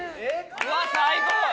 うわ最高！